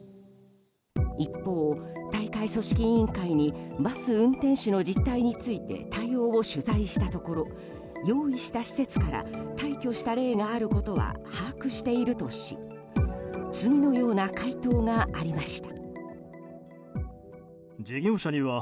一方、大会組織委員会にバス運転手の実態について対応を取材したところ用意した施設から退去した例があることは把握しているとし次のような回答がありました。